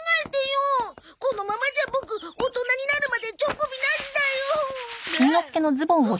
このままじゃボク大人になるまでチョコビなしだよ。